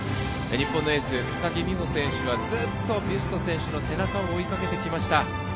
日本のエース高木美帆選手はずっと、ビュスト選手の背中を追いかけてきました。